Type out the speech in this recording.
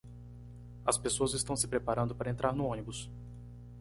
as pessoas estão se preparando para entrar no ônibus